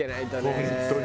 本当に！